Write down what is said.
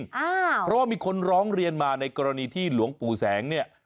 เพราะว่ามีคนร้องเรียนมาในกรณีที่หลวงปู่แสงเนี่ย